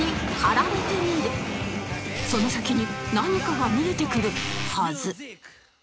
その先に何かが見えてくるはず